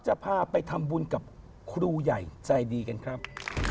จะพาไปทำบุญกับครูใหญ่ใจดีกันครับ